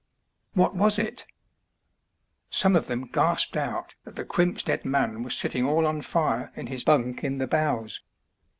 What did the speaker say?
What was it ? Some of them gasped out that the crimp's dead man was sitting all on fire in his bunk in the bows.